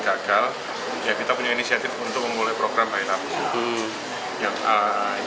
kita punya inisiatif untuk memulai program bayi tabung